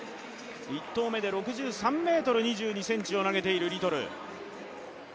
１投目で６３ｍ２２ｃｍを投げているリトル。